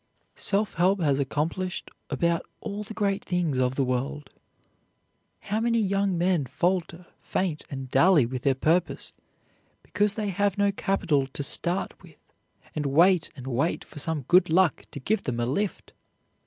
Self help has accomplished about all the great things of the world. How many young men falter, faint, and dally with their purpose, because they have no capital to start with, and wait and wait for some good luck to give them a lift!